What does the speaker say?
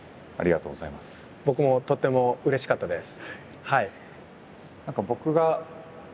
僕もとってもうれしかったです。